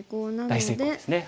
大成功ですね。